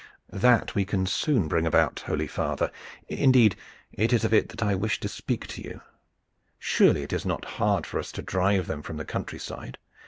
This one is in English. "That we can soon bring about, holy father. Indeed, it is of it that I wished to speak to you. Surely it is not hard for us to drive them from the country side.